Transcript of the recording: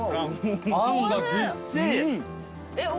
あんがぎっしり。